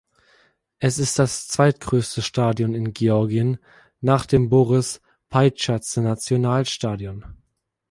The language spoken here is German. Es ist das zweitgrößte Stadion in Georgien, nach dem Boris-Paitschadse-Nationalstadion.